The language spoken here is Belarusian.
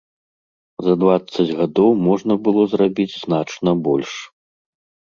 За дваццаць гадоў можна было зрабіць значна больш.